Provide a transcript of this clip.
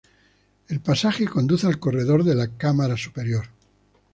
El pasaje conduce al corredor de la cámara superior.